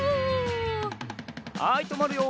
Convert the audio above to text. はいとまるよ。